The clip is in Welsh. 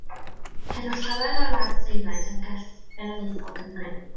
Cedwir llawer o'i lawysgrifau yn Llyfrgell Genedlaethol Cymru.